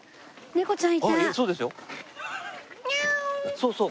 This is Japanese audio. そうそう。